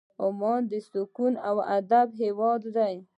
عمان د سکون او ادب هېواد دی.